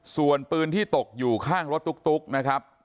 ส่วนปืนที่ตกอยู่ข้างรถตุ๊กนะครับ